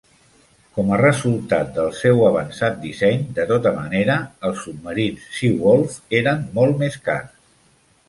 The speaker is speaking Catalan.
Com a resultat del seu avançat disseny, de tota manera, els submarins "Seawolf" eren molt més cars.